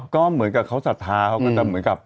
ก็เหมือนกับเขาศรัทธาเขาก็จะเหมือนกับ